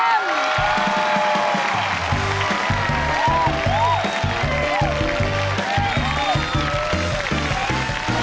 คุณค่ะนี่ค่ะ